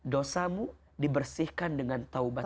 dosamu dibersihkan dengan taubatmu